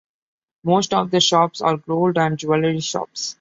Most of the shops are gold or jewelry shops.